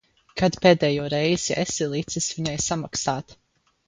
Kad pēdējo reizi esi licis viņai samaksāt?